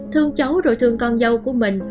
thương cháu rồi thương con dâu của mình